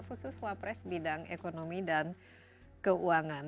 khusus wapres bidang ekonomi dan keuangan